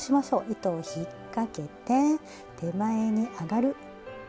糸をひっかけて手前に上がる。